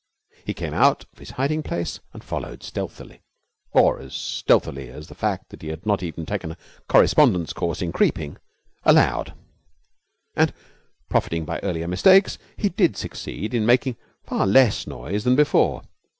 He came out of his hiding place and followed stealthily, or as stealthily as the fact that he had not even taken a correspondence course in creeping allowed. And profiting by earlier mistakes, he did succeed in making far less noise than before.